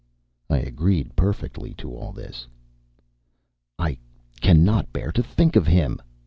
I agreed perfectly to all this. "I cannot bear to think of him!"